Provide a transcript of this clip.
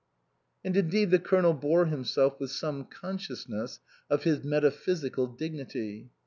" And indeed the Colonel bore himself with some consciousness of his metaphysical dignity.